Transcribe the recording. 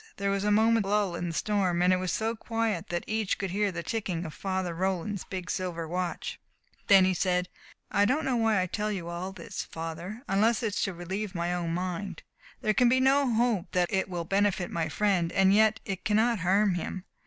There was a moment's lull in the storm, and it was so quiet that each could hear the ticking of Father Roland's big silver watch. Then he said: "I don't know why I tell you all this, Father, unless it is to relieve my own mind. There can be no hope that it will benefit my friend. And yet it cannot harm him.